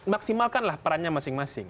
maksimalkanlah perannya masing masing